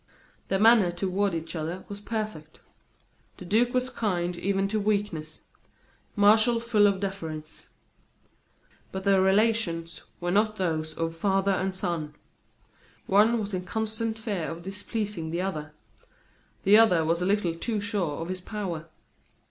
Their manner toward each other was perfect. The duke was kind even to weakness; Martial full of deference. But their relations were not those of father and son. One was in constant fear of displeasing the other; the other was a little too sure of his power.